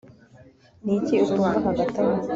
niki utumva hagati aho